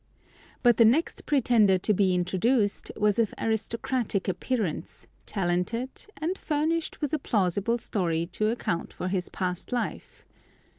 But the next pretender to be introduced was of aristocratic appearance, talented, and furnished with a plausible story to account for his past life.